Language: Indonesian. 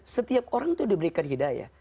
setiap orang itu diberikan hidayah